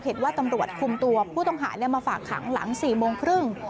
เห็นว่าตำรวจคุมตัวผู้ต้องหามาฝากขังหลัง๔โมงครึ่ง